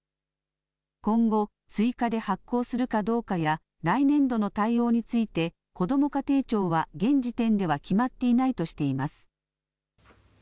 今後、追加で発行するかどうかや来年度の対応についてこども家庭庁は現時点では決まっていないとしています。